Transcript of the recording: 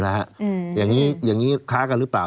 ประเวณีนะครับอย่างนี้ค้ากันหรือเปล่า